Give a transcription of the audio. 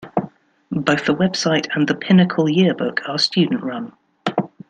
Both the website and the "Pinnacle" yearbook are student-run.